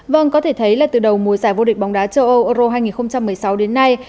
vâng có thể thấy là từ đầu mùa giải vô địch bóng đá châu âu euro hai nghìn một mươi sáu đến nay